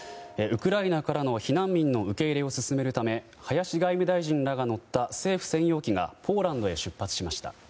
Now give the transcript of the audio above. ウクライナからの避難民の受け入れを進めるため林外務大臣らが乗った政府専用機がポーランドへ出発しました。